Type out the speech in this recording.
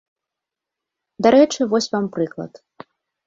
Дарэчы, вось вам прыклад.